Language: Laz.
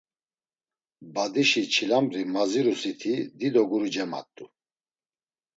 Badişi çilambri mazirusiti dido guri cemat̆u.